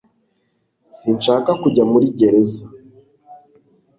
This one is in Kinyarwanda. Sinshaka kujya muri gereza